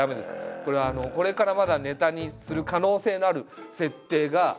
これはこれからまだネタにする可能性のある設定が。